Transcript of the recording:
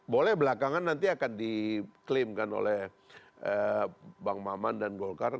boleh belakangan nanti akan diklaimkan oleh bang maman dan golkar